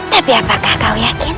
tapi apakah kau yakin